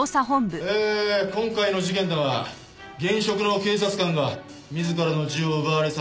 えー今回の事件だが現職の警察官が自らの銃を奪われ殺害された。